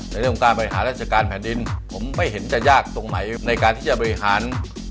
ในเรื่องของการบริหารราชการแผ่นดินผมไม่เห็นจะยากตรงไหนในการที่จะบริหาร